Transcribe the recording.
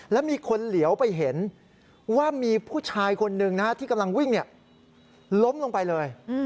แล้วมีคนเหลียวไปเห็นว่ามีผู้ชายคนหนึ่งที่กำลังวิ่งล้มลงไปเลย